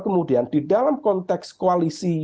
kemudian di dalam konteks koalisi